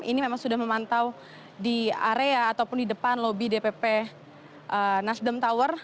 ini memang sudah memantau di area ataupun di depan lobi dpp nasdem tower